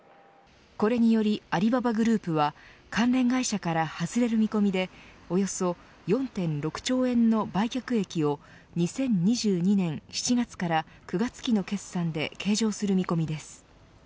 これによりアリババグループは関連会社から外れる見込みでおよそ４．６兆円の売却益を２０２２年７月から９月期の決算で計上する見込みです。